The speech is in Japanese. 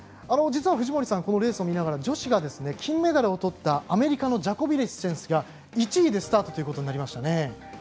実は藤森さんはこのレースを見ながら女子が金メダルをとったアメリカのジャコベリス選手が１位でスタートとなりましたね。